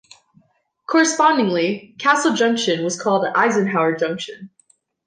Correspondingly, Castle Junction was called Eisenhower Junction.